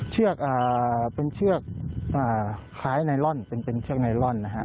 เชือกเป็นเชือกคล้ายไนลอนเป็นเชือกไนลอนนะฮะ